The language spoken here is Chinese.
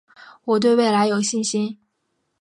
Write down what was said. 我对未来有信心